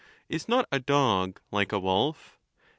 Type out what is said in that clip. Is not a dog like a wolf